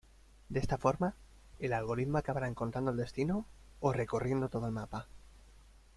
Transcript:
De esta forma, el algoritmo acabará encontrando el destino, o recorriendo todo el mapa.